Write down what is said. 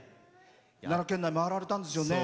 奈良県内、回られたんですよね。